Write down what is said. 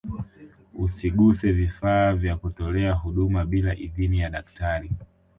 usiguse vifaa vya kutolea huduma bila idhini ya daktari